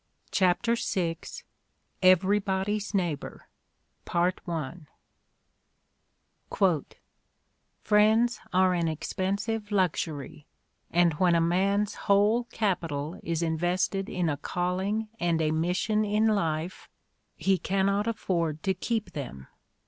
CHAPTER VI everybody's neighboe "Friends are an expensive luxury; and when a man's whole capital ia invested in a calling and a mission in life, he cannot afford to keep them.